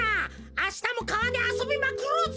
あしたもかわであそびまくろうぜ！